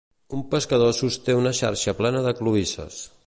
Un pescador sosté una xarxa plena de cloïsses.